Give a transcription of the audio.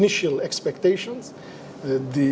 itu lebih dari